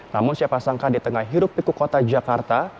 namun siapa sangka di tengah hirup piku kota jakarta